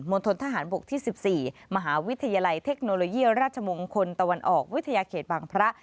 ณฑนทหารบกที่๑๔มหาวิทยาลัยเทคโนโลยีราชมงคลตะวันออกวิทยาเขตบางพระ